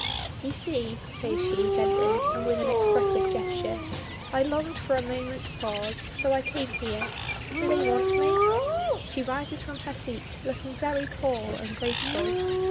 "You see," says she gently, and with an expressive gesture, "I longed for a moment's pause, so I came here. Do they want me?" She rises from her seat, looking very tall and graceful.